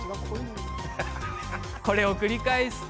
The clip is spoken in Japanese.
これを繰り返すと